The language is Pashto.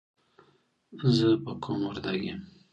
زه په قوم وردګ یم.